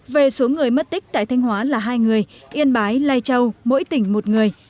về số người mất tích tại thanh hóa là hai người yên bái lai châu mỗi tỉnh một người